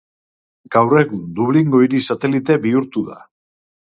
Gaur egun Dublingo hiri satelite bihurtu da.